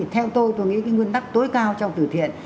theo tôi tôi nghĩ nguyên tắc tối cao trong từ thiện